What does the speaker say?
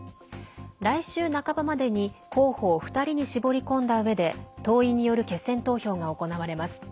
来週半ばまでに候補を２人に絞り込んだうえで党員による決選投票が行われます。